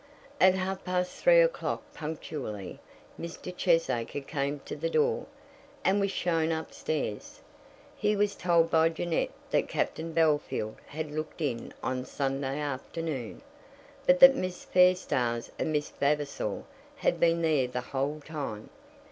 At half past three o'clock punctually Mr. Cheesacre came to the door, and was shown up stairs. He was told by Jeannette that Captain Bellfield had looked in on the Sunday afternoon, but that Miss Fairstairs and Miss Vavasor had been there the whole time.